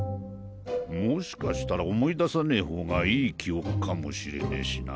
もしかしたら思い出さねえ方が良い記憶かもしれねえしな。